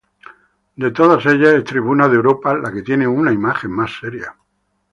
De todas ellas, es Tribuna de Europa la que tiene una imagen más seria.